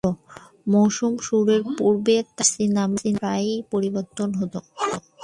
মৌসুম শুরুর পূর্বে তার জার্সি নাম্বার প্রায়ই পরিবর্তিত হত।